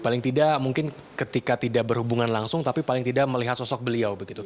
paling tidak mungkin ketika tidak berhubungan langsung tapi paling tidak melihat sosok beliau